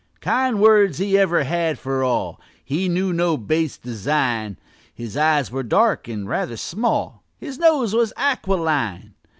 Kind words he ever had for all; He knew no base design: His eyes were dark and rather small, His nose was aquiline.